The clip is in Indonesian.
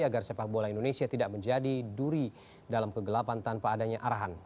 agar sepak bola indonesia tidak menjadi duri dalam kegelapan tanpa adanya arahan